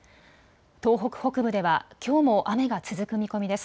東北北部ではきょうも雨が続く見込みです。